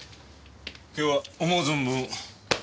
今日は思う存分肉食え。